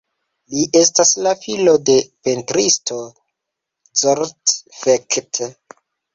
Li estas la filo de pentristo Zsolt Fekete.